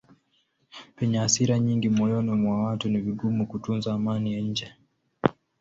Penye hasira nyingi moyoni mwa watu ni vigumu kutunza amani ya nje.